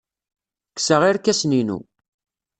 Kkseɣ irkasen-inu.